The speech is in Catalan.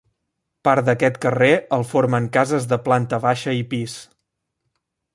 Part d'aquest carrer el formen cases de planta baixa i pis.